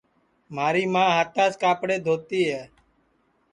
مھاری ماں ہاتاس کاپڑے دھؤتی ہے